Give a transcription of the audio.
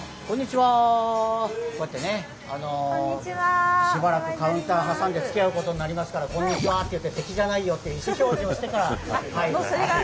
こうやってねしばらくカウンター挟んでつきあうことになりますから「こんにちは」って言って敵じゃないよって意思表示をしてから入る。